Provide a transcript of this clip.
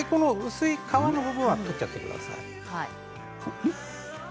薄い皮の部分は取ってください。